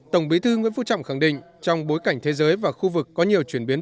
tổng bí thư nguyễn phú trọng khẳng định trong bối cảnh thế giới và khu vực có nhiều chuyển biến